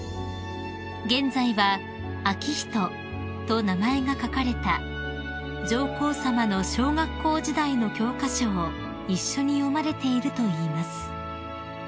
［現在は「明仁」と名前が書かれた上皇さまの小学校時代の教科書を一緒に読まれているといいます］